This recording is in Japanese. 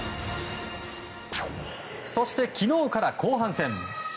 そして、昨日から後半戦。